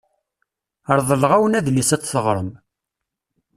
Reḍleɣ-awen adlis ad t-teɣrem.